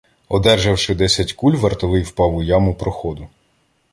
Одержавши десять куль, вартовий впав у яму проходу.